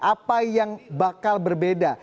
apa yang bakal berbeda